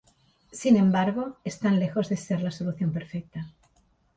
Sin embargo, están lejos de ser la solución perfecta.